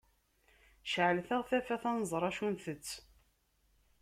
Ceɛlet-aɣ tafat, ad nẓer acu ntett.